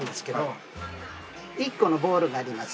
１個のボールがあります。